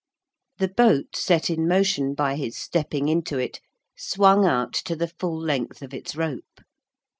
The boat, set in motion by his stepping into it, swung out to the full length of its rope.